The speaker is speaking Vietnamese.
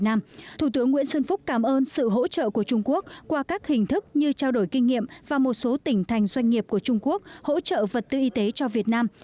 thủ tướng nguyễn xuân phúc cảm ơn sự hỗ trợ của trung quốc qua các hình thức như trao đổi kinh nghiệm và một số tỉnh thành doanh nghiệp của trung quốc hỗ trợ vật tư y tế cho việt nam